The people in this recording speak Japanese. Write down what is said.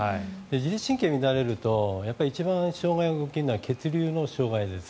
自律神経が乱れると一番障害を受けるのは血流の障害です。